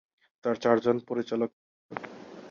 তার চারজন পরিচালক ছিলেন।